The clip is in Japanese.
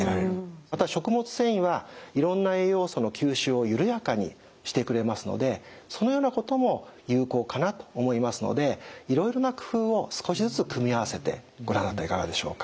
また食物繊維はいろんな栄養素の吸収をゆるやかにしてくれますのでそのようなことも有効かなと思いますのでいろいろな工夫を少しずつ組み合わせてごらんになってはいかがでしょうか？